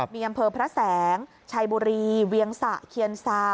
มีอำเภอพระแสงชัยบุรีเวียงสะเคียนซา